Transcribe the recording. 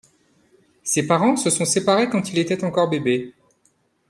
Ses parents se sont séparés quand il était encore bébé.